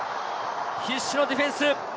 必死のディフェンス。